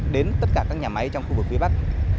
đến tất cả các nhà máy trong khu vực phía bắc